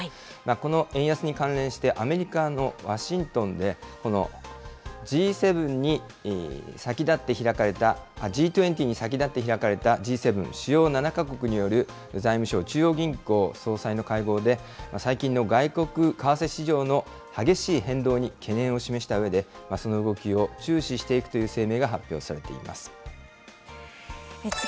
この円安に関連して、アメリカのワシントンで、このＧ７に先立って開かれた、Ｇ２０に先立って開かれたＧ７・主要７か国による財務相・中央銀行総裁の会合で、最近の外国為替市場の激しい変動に懸念を示したうえで、その動きを注視していくという声明が発表されています。